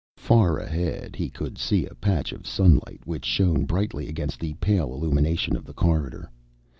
Far ahead, he could see a patch of sunlight which shone brightly against the pale illumination of the corridor.